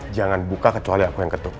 jangan buka kecuali aku yang ketuk